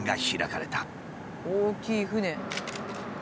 大きい船。